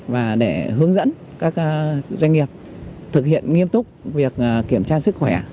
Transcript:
và để hướng dẫn các doanh nghiệp thực hiện nghiêm túc việc kiểm tra sức khỏe